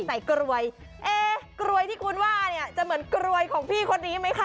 กรวยเอ๊กรวยที่คุณว่าเนี่ยจะเหมือนกรวยของพี่คนนี้ไหมคะ